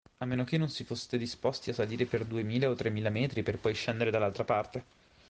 A meno che non si foste disposti a salire per duemila o tremila metri per poi scendere dall'altra parte.